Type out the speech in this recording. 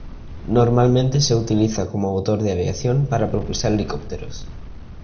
Normalmente se utiliza como motor de aviación para propulsar helicópteros.